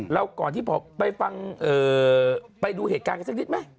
ก่อนที่ไปฟังไปดูเหตุการณ์กันสักนิดไหม